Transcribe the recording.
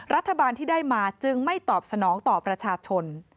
รัฐบาลที่ได้มาจึงไม่ตอบสนองต่อประชาชน